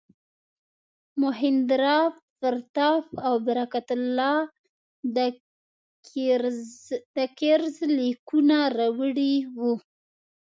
مهیندراپراتاپ او برکت الله د کیزر لیکونه راوړي وو.